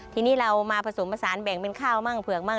ทีนี้เรามาผสมผสานแบ่งเป็นข้าวมั่งเผือกมั่ง